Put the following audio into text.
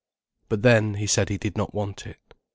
But then, he said he did not want it.